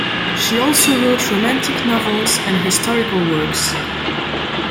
She also wrote romantic novels and historical works.